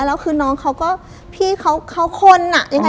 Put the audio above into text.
แล้วคือน้องเขาก็พี่เขาคนอ่ะยังไงเขาก็คนอ่ะ